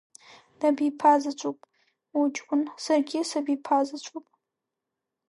Дабиԥазаҵәуп уҷкәын, саргьы сабиԥазаҵәуп.